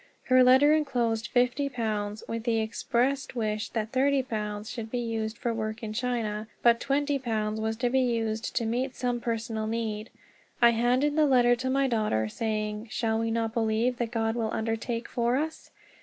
Her letter enclosed fifty pounds, with the expressed wish that thirty pounds should be used for work in China, but twenty pounds was to be used to meet some personal need. I handed the letter to my daughter, saying: "Shall we not believe that God will undertake for us?